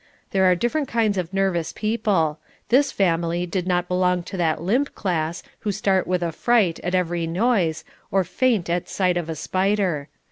There are different kinds of nervous people; this family did not belong to that limp class who start with affright at every noise, or faint at sight of a spider.